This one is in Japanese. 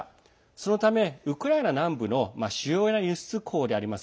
そのためウクライナ南部の主要な輸出港であります